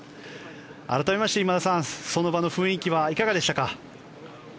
改めまして今田さんその場の雰囲気はいかがでしたか？